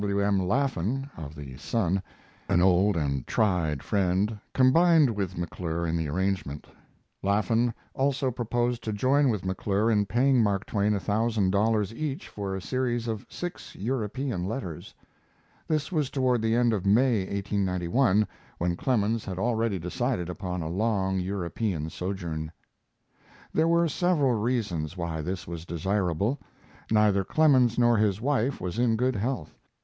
W. M. Laffan, of the Sun, an old and tried friend, combined with McClure in the arrangement. Laffan also proposed to join with McClure in paying Mark Twain a thousand dollars each for a series of six European letters. This was toward the end of May, 1891, when Clemens had already decided upon a long European sojourn. There were several reasons why this was desirable. Neither Clemens nor his wife was in good health.